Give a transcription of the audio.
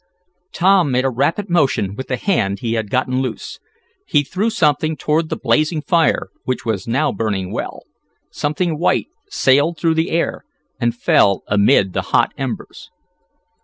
Tom made a rapid motion with the hand he had gotten loose. He threw something toward the blazing fire, which was now burning well. Something white sailed through the air, and fell amid the hot embers.